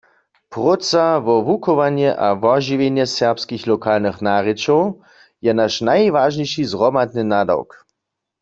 Próca wo wuchowanje a wožiwjenje serbskich lokalnych narěčow je naš najwažniši zhromadny nadawk.